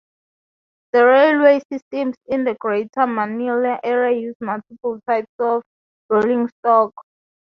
The railway systems in the Greater Manila Area use multiple types of rolling stock.